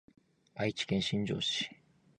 愛知県新城市